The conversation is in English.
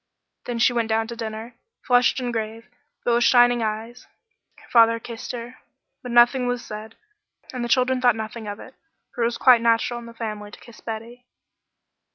Then she went down to dinner, flushed and grave, but with shining eyes. Her father kissed her, but nothing was said, and the children thought nothing of it, for it was quite natural in the family to kiss Betty.